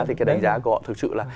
thì cái đánh giá của họ thực sự là